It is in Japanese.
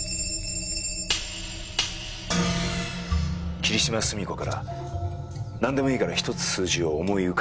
霧島澄子からなんでもいいから１つ数字を思い浮かべろと言われた。